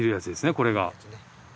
これが。